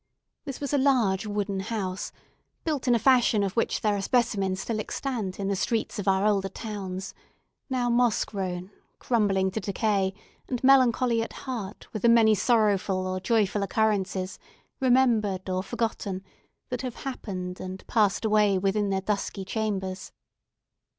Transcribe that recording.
This was a large wooden house, built in a fashion of which there are specimens still extant in the streets of our older towns now moss grown, crumbling to decay, and melancholy at heart with the many sorrowful or joyful occurrences, remembered or forgotten, that have happened and passed away within their dusky chambers.